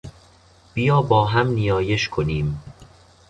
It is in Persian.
بیا با هم نیایش کنیم.